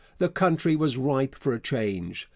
The country was ripe for a change.